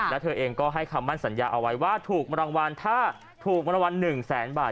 แล้วเธอเองก็ให้คำมั่นสัญญาเอาไว้ว่าถูกรางวัลถ้าถูกมรวรรณ๑แสนบาท